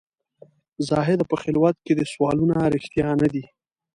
زاهده په خلوت کې دي سوالونه رښتیا نه دي.